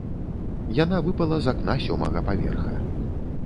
Яна выпала з акна сёмага паверха.